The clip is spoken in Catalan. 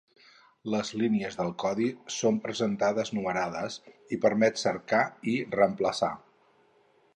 Les línies del codi són presentades numerades i permet cercar i reemplaçar.